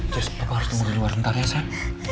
terus pak harus tunggu di luar bentar ya sayang